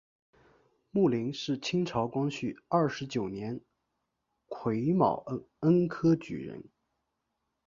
牟琳是清朝光绪二十九年癸卯恩科举人。